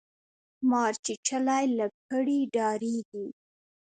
ـ مارچيچلى له پړي ډاريږي.